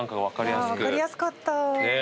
分かりやすかった。